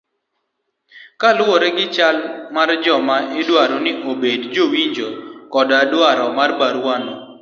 kaluwore gi chal mar joma idwaro ni obed jowinjo koda dwaro mar barua no